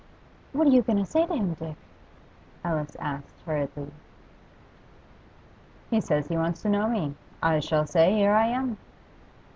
'What are you going to say to him, Dick?' Alice asked hurriedly. 'He says he wants to know me. I shall say, "Here I am."